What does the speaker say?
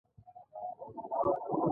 که چېرې هغه د اړتیا وړ استراحت ونه کړای شي